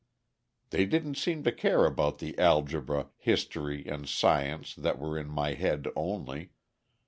They didn't seem to care about the algebra, history, and science that were in my head only.